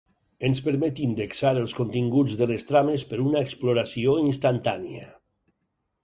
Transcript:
Ens permet indexar els continguts de les trames per una exploració instantània.